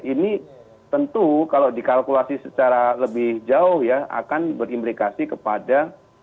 ini tentu kalau dikalkulasi secara lebih jauh ya akan berimplikasi kepada